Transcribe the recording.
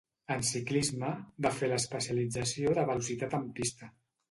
En ciclisme va fer l'especialització de Velocitat en pista.